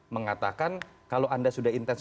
mengatakan kalau anda sudah intens